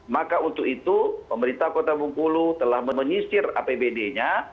maka untuk itu pemerintah kota bengkulu telah menyisir apbd nya